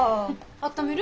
あっためる？